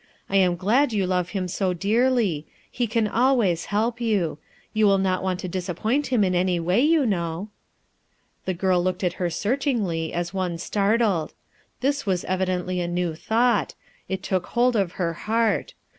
I am glad you love him so dearly; he can always help you. You will not want to disappoint him in any way, you know." The girl looked at her searchiugly as one startled. This was evidently a new thought; it took hold of her heart.